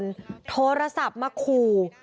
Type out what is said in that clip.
จะเป็นนายนพดลโทรศัพท์มาคู่